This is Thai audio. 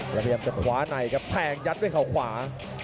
แล้วพยายามจะขวาในครับแทงยัดด้วยเขาขวา